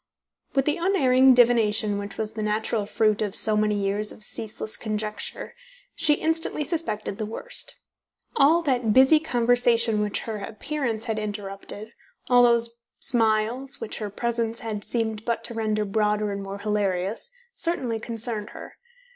With the unerring divination which was the natural fruit of so many years of ceaseless conjecture, she instantly suspected the worst. All that busy conversation which her appearance had interrupted, all those smiles which her presence had seemed but to render broader and more hilarious, certainly concerned her.